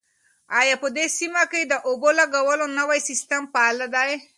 آیا په دې سیمه کې د اوبو لګولو نوی سیستم فعال دی؟